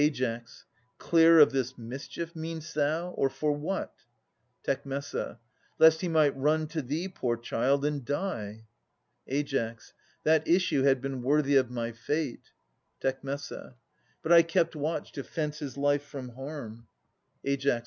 Ai. Clear of this mischief, mean'st thou ? or for what ? Tec Lest he might run to thee, poor child, and die. Ai. That issue had been worthy of my fate ! Tec. But I kept watch to fence his life from harm. 7^ Aias [536 567 Ai.